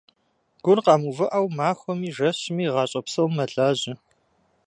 Гур къэмыувыӀэу, махуэми, жэщми, гъащӀэ псом мэлажьэ.